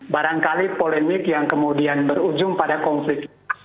barangkali polemik yang kemudian berujung pada konflik